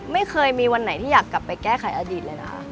ไม่เคยมีวันไหนที่อยากกลับไปแก้ไขอดีตเลยนะคะ